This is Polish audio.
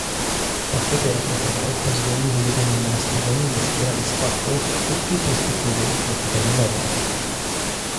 Pakiety ratunkowe pozwoliły jedynie na spowolnienie spirali spadków w krótkiej perspektywie krótkoterminowej